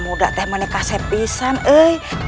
bunda aku mau berbicara denganmu